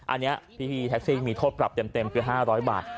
อันนี้พี่แท็กซี่มีโทษปรับเต็มคือ๕๐๐บาท